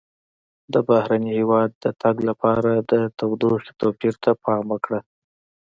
د بهرني هېواد د تګ لپاره د تودوخې توپیر ته پام وکړه.